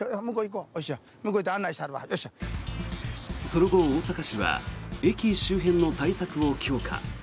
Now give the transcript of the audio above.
その後大阪市は駅周辺の対策を強化。